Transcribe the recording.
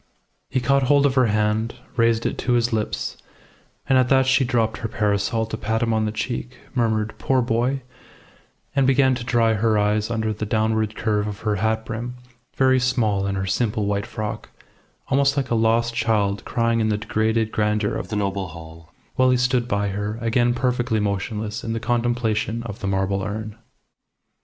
He caught hold of her hand, raised it to his lips, and at that she dropped her parasol to pat him on the cheek, murmured "Poor boy," and began to dry her eyes under the downward curve of her hat brim, very small in her simple, white frock, almost like a lost child crying in the degraded grandeur of the noble hall, while he stood by her, again perfectly motionless in the contemplation of the marble urn.